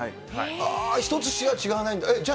１つしか違わないんだ。